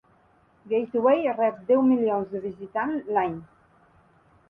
Gateway rep deu milions de visitant l'any.